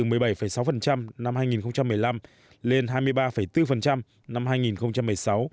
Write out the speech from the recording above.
số cơ sở bị xử lý tăng từ một mươi bảy sáu năm hai nghìn một mươi năm lên hai mươi ba bốn năm hai nghìn một mươi sáu